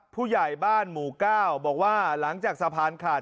ผู้ใหญ่บ้านหมู่ก้าวบอกว่าหลังจากสะพานขาด